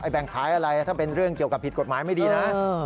แบ่งขายอะไรถ้าเป็นเรื่องเกี่ยวกับผิดกฎหมายไม่ดีนะ